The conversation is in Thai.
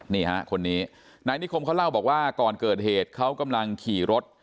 นี่ฮะคนนี้นายนิคมเขาเล่าบอกว่าก่อนเกิดเหตุเขากำลังขี่รถ